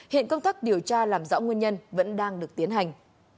hiện công tác điều tra làm rõ nguyên nhân vẫn đang được tiến hành